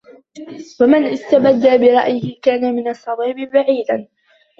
وَمَنْ اسْتَبَدَّ بِرَأْيِهِ كَانَ مِنْ الصَّوَابِ بَعِيدًا